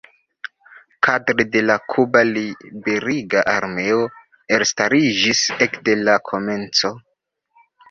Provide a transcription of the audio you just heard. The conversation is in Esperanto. Kadre de la Kuba Liberiga Armeo elstariĝis ekde la komenco.